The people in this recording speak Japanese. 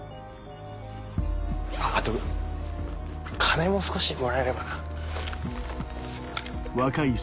あっあと金も少しもらえれば。